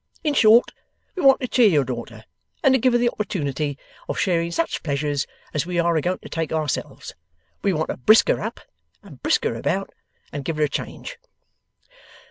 In short, we want to cheer your daughter, and to give her the opportunity of sharing such pleasures as we are a going to take ourselves. We want to brisk her up, and brisk her about, and give her a change.